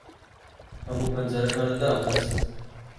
ھەموو پەنجەرەکانت داخست؟